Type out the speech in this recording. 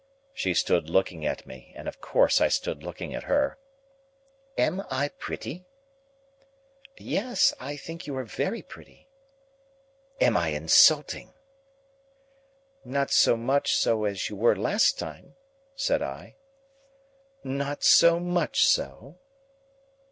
She stood looking at me, and, of course, I stood looking at her. "Am I pretty?" "Yes; I think you are very pretty." "Am I insulting?" "Not so much so as you were last time," said I. "Not so much so?"